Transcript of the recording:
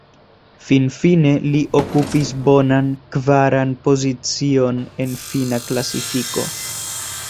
Finfine li okupis bonan, kvaran pozicion en fina klasifiko.